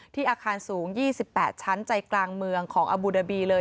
อาคารสูง๒๘ชั้นใจกลางเมืองของอบูดาบีเลย